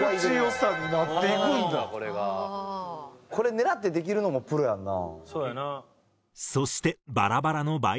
これ狙ってできるのもプロやんな。